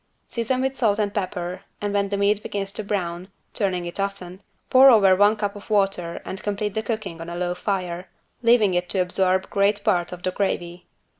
Season with salt and pepper and when the meat begins to brown turning it often pour over one cup of water and complete the cooking on a low fire, leaving it to absorb great part of the gravy.